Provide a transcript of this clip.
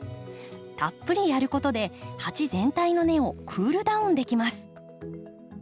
たっぷりやることで鉢全体の根をクールダウンできます。